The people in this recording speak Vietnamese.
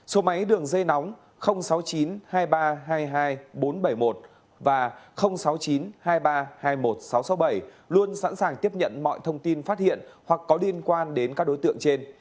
số máy đường dây nóng sáu mươi chín hai mươi ba hai mươi hai bốn trăm bảy mươi một và sáu mươi chín hai mươi ba hai mươi một nghìn sáu trăm sáu mươi bảy luôn sẵn sàng tiếp nhận mọi thông tin phát hiện hoặc có liên quan đến các đối tượng trên